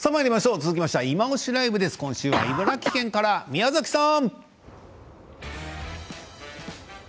続きましては「いまオシ！ＬＩＶＥ」です。今週は茨城県から、宮崎さん。